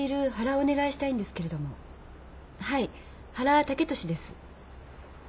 はい原剛利です。